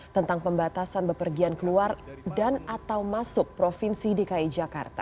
tentang pembatasan bepergian keluar dan atau masuk provinsi dki jakarta